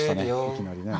いきなりね。